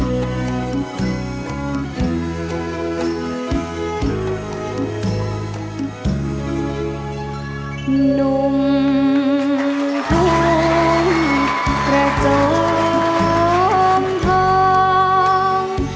นุ่มทองประจงทอง